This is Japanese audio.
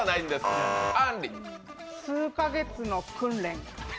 数か月の訓練？